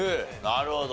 なるほど。